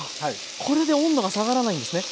これで温度が下がらないんですね。